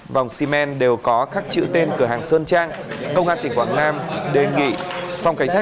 vòng ximen đều có các chữ tên cửa hàng sơn trang công an tỉnh quảng nam đề nghị phòng cảnh sát